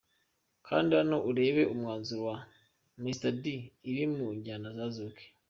Kanda hano urebe 'Umwanzuro ya Mr D iri mu njyana ya Zouk.